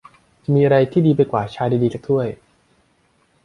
จะมีอะไรที่ดีไปกว่า ชาดี ๆ สักถ้วย ?